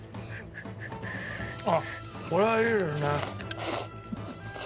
あっこれがいいですね。